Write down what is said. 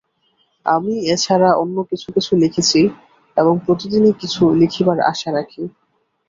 আমি এছাড়া অন্য কিছু কিছু লিখেছি এবং প্রতিদিনই কিছু লিখিবার আশা রাখি।